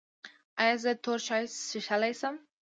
ایا زه تور چای څښلی شم؟